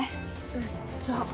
うっざ。